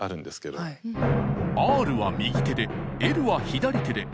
Ｒは右手でＬは左手で。